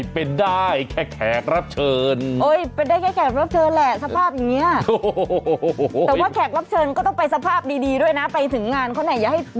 เป็นยังไงไปดูฮะ